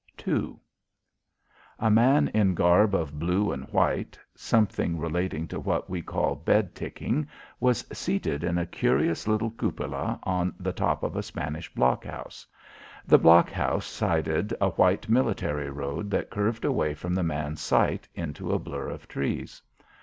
II A man in garb of blue and white something relating to what we call bed ticking was seated in a curious little cupola on the top of a Spanish blockhouse. The blockhouse sided a white military road that curved away from the man's sight into a blur of trees.